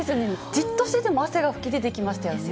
じっとしてても汗が噴き出てきましたね。